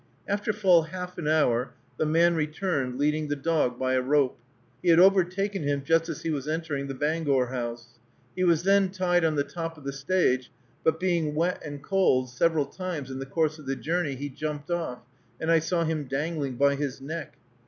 After full half an hour the man returned, leading the dog by a rope. He had overtaken him just as he was entering the Bangor House. He was then tied on the top of the stage, but being wet and cold, several times in the course of the journey he jumped off, and I saw him dangling by his neck.